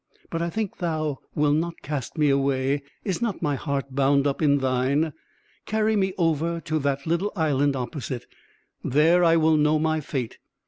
"But I think thou wilt not cast me away; is not my heart bound up in thine? Carry me over to that little island opposite. There I will know my fate.